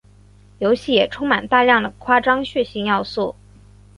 游戏也充满大量的夸张血腥要素。